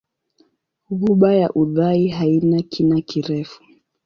Ghuba ya Uthai haina kina kirefu.